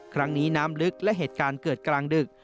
น้ำลึกและเหตุการณ์เกิดกลางดึก